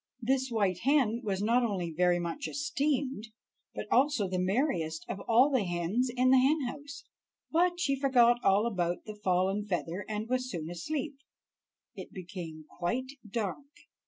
This white hen was not only very much esteemed, but also the merriest of all the hens in the hen house. But she forgot all about the fallen feather, and was soon asleep. It became quite dark.